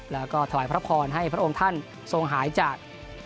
แล้วก็ถวายพระพรให้พระองค์ท่านทรงหายจาก